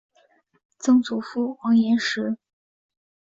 曾祖父王彦实。